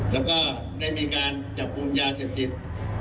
และก็ได้มีการจับบุญยาเซพติธรรม